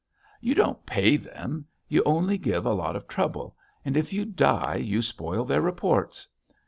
...You don't pay them; you only give a lot of trouble, and if you die you spoil their reports.